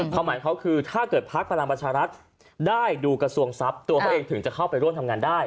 ความหมายเขาคือถ้าเกิดพักพลังประชารัฐได้ดูกระทรวงทรัพย์ตัวเขาเองถึงจะเข้าไปร่วมทำงานได้